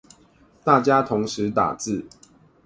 大家同時打字